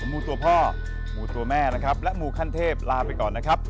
หมูตัวพ่อหมูตัวแม่นะครับและหมู่ขั้นเทพลาไปก่อนนะครับ